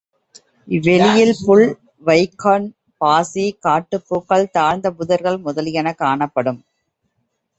இவ்வெளியில் புல், லைக்கன், பாசி, காட்டுப் பூக்கள், தாழ்ந்த புதர்கள் முதலியவை காணப்படும்.